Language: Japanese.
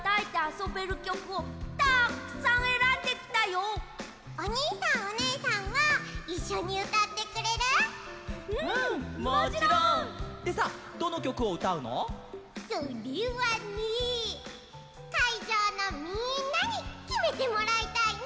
それはね。かいじょうのみんなにきめてもらいたいな！